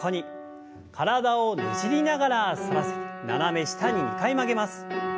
体をねじりながら反らせて斜め下に２回曲げます。